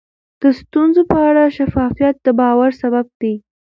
د ستونزو په اړه شفافیت د باور سبب دی.